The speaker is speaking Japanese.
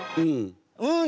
うん。